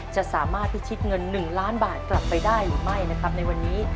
จะสามารถพิชิตเงิน๑ล้านบาทกลับไปได้หรือไม่นะครับในวันนี้